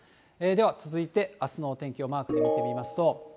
では続いて、あすのお天気をマークで見てみますと。